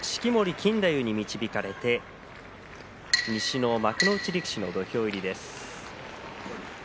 錦太夫に導かれて西の幕内力士の土俵入りです。